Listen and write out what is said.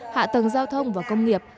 hạ tầng giao thông và công nghiệp